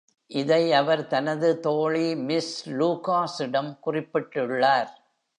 இதை அவர் தனது தோழி மிஸ் லூகாஸிடம் குறிப்பிட்டுள்ளார்.